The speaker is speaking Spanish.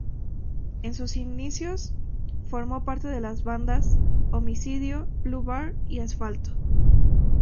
En sus inicios formó parte de bandas como "Homicidio", "Blue Bar" y "Asfalto".